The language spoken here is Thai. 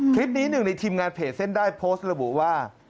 หนึ่งในทีมงานเพจเส้นได้โพสต์ระบุว่า